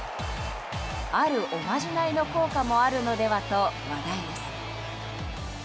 あるおまじないの効果もあるのではと話題です。